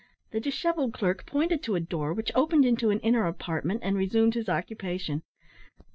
The dishevelled clerk pointed to a door which opened into an inner apartment, and resumed his occupation.